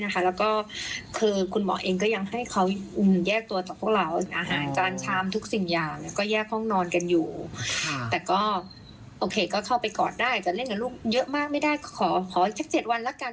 แต่เล่นกับลูกเยอะมากไม่ได้ขอเจ็บ๗วันละกัน